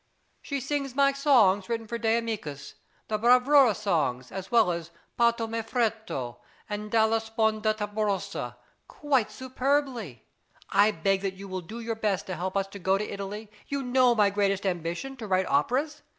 She sings my songs written for De Amicis the bravura songs, as well as "Parto m' affretto" and "Dalla sponda tenebrosa" quite superbly. I beg that you will do your best to help us to go to Italy; you know my greatest ambition to write operas.